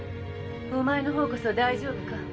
お前の方こそ大丈夫か？